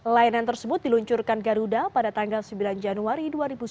layanan tersebut diluncurkan garuda pada tanggal sembilan januari dua ribu sembilan belas